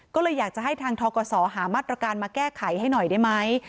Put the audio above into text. ก็เลยอยากจะให้ทางทกศหามาตรการมาแก้ไขให้หน่อยได้ไหม